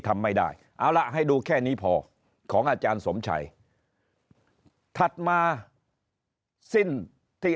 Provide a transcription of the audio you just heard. ทำไม่ได้เอาล่ะให้ดูแค่นี้พอของอาจารย์สมชัยถัดมาสิ้นที่